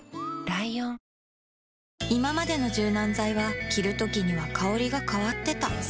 いままでの柔軟剤は着るときには香りが変わってた